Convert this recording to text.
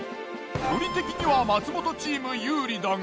距離的には松本チーム有利だが。